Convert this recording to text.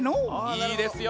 いいですよ。